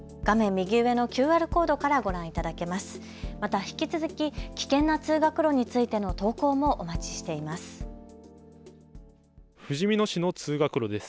右上のＱＲコードからご覧いただけます。